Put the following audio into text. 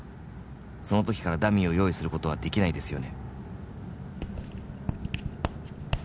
「そのときからダミーを用意することはできないですよね」